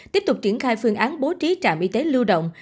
tiếp tục triển khai phương án bố trí trạm y tế lưu động